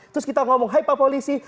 terus kita ngomong hai pak polisi